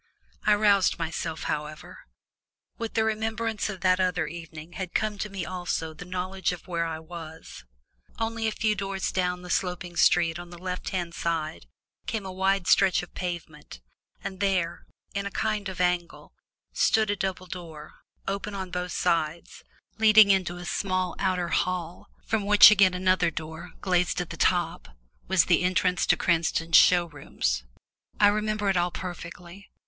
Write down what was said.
I roused myself, however. With the remembrance of that other evening had come to me also the knowledge of where I was. Only a few yards down the sloping street on the left hand side came a wide stretch of pavement, and there, in a kind of angle, stood a double door, open on both sides, leading into a small outer hall, from which again another door, glazed at the top, was the entrance to Cranston's show rooms. I remembered it all perfectly.